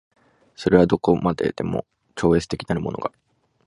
それはどこまでも超越的なるものが